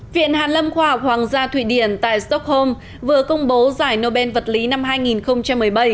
viện hàn lâm khoa học hoàng gia thụy điển tại stockholm vừa công bố giải nobel vật lý năm hai nghìn một mươi bảy